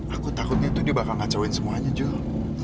aku takutnya itu dia bakal ngacauin semuanya jul